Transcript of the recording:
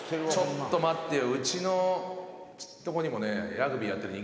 「ちょっと待ってよ」